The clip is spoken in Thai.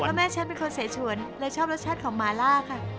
แล้วแม่ฉันเป็นคนเสชวนและชอบรสชาติของหมาล่าค่ะ